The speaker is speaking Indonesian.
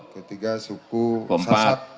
ketiga suku sasat